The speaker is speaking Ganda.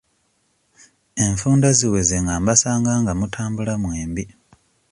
Enfunda ziweze nga mbasanga nga mutambula mwembi.